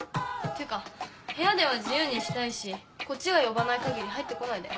ていうか部屋では自由にしたいしこっちが呼ばないかぎり入ってこないで。